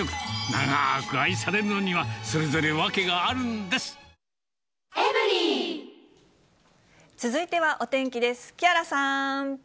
長く愛されるのには、それぞれ訳続いてはお天気です。